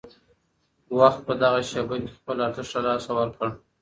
وخت په دغه شېبه کې خپل ارزښت له لاسه ورکړ.